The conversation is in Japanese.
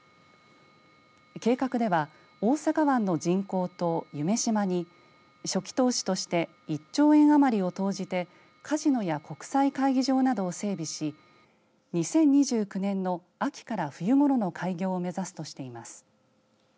計画では大阪湾の人工島、夢洲に初期投資として１兆円余りを投じてカジノや国際会議場などを整備し２０２９年の秋から冬ごろの開業を目指すとしています。